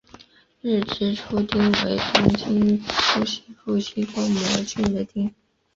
日之出町为东京都西部西多摩郡的町。